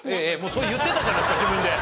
それ言ってたじゃないですか自分で。